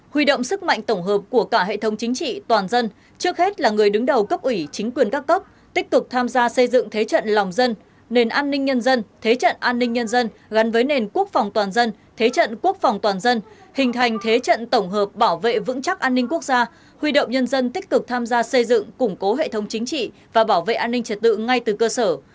bốn huy động sức mạnh tổng hợp của cả hệ thống chính trị toàn dân trước hết là người đứng đầu cấp ủy chính quyền các cấp tích cực tham gia xây dựng thế trận lòng dân nền an ninh nhân dân thế trận an ninh nhân dân gắn với nền quốc phòng toàn dân thế trận quốc phòng toàn dân hình thành thế trận tổng hợp bảo vệ vững chắc an ninh quốc gia huy động nhân dân tích cực tham gia xây dựng củng cố hệ thống chính trị và bảo vệ an ninh trật tự ngay từ cơ sở